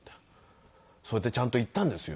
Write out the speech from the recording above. それでちゃんと言ったんですよ。